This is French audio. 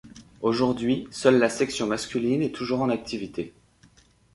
Aujourd'hui, seule la section masculine est toujours en activité.